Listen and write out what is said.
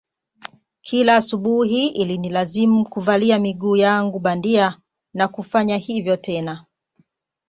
Kila asubuhi ilinilazimu kuvalia miguu yangu bandia na kufanya hivyo tena